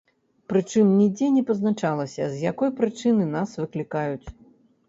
Прычым, нідзе не пазначалася з якой прычыны нас выклікаюць.